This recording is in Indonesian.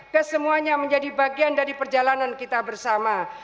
kesemuanya menjadi bagian dari perjalanan kita bersama